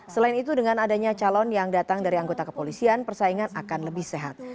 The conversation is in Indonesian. selain itu dengan adanya calon yang datang dari anggota kepolisian persaingan akan lebih sehat